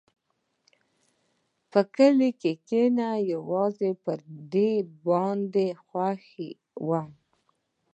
په کلي کښې يوازې په دې باندې خوښ وم.